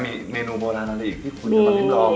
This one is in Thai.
มีเมนูโบราณอะไรอีกที่คุณจะมาริมลอง